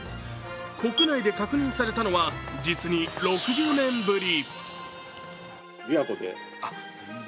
国内で確認されたのは実に６０年ぶり。